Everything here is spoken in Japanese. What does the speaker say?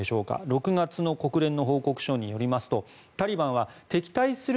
６月の国連報告書によりますとタリバンは敵対する